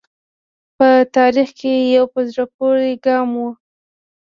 دا په تاریخ کې یو په زړه پورې ګام و.